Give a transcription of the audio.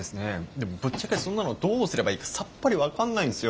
でもぶっちゃけそんなのどうすればいいかさっぱり分かんないんすよ。